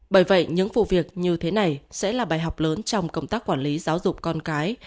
bởi vậy những vụ việc như thế này sẽ là bài học lớn trong công tác quản lý giáo dục con cái